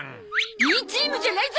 Ｂチームじゃないゾ！